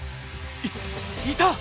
いいた！